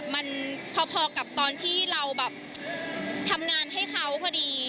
มันพอกับตอนที่เราแบบทำงานให้เขาพอดี